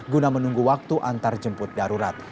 guna menunggu waktu antar jemput darurat